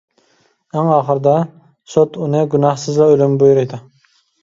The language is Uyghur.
ئەڭ ئاخىرىدا، سوت ئۇنى گۇناھسىزلا ئۆلۈمگە بۇيرۇيدۇ.